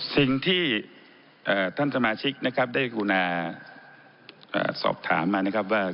สิ่งที่ท่านสมาชิกนะครับได้กรุณาสอบถามมานะครับว่า